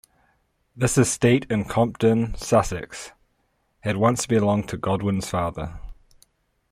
This estate in Compton, Sussex, had once belonged to Godwin's father.